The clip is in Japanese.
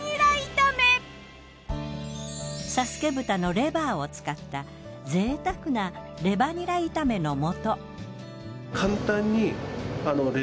佐助豚のレバーを使った贅沢なレバニラ炒めの素。